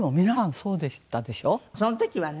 その時はね。